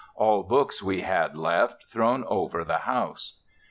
All books we had left thrown over the house.